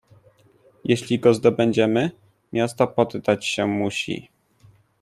"Jeżeli go zdobędziemy, miasto poddać się musi."